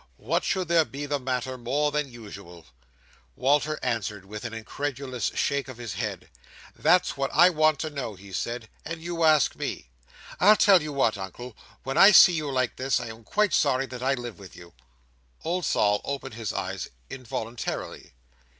What should there be the matter more than usual?" Walter answered with an incredulous shake of his head. "That's what I want to know," he said, "and you ask me! I'll tell you what, Uncle, when I see you like this, I am quite sorry that I live with you." Old Sol opened his eyes involuntarily.